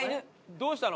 どうしたの？